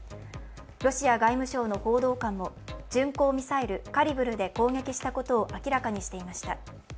ロシア外務省の報道官も巡航ミサイル、カリブルで攻撃したことを明らかにしていました。